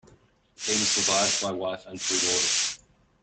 He was survived by wife and two daughters.